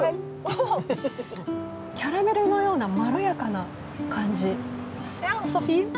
キャラメルのようなまろやかな感じ。